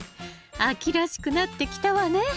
秋らしくなってきたわね。